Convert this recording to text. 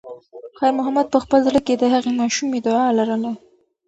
خیر محمد په خپل زړه کې د هغې ماشومې دعا لرله.